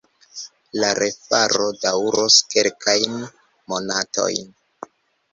La refaro daŭros kelkajn monatojn.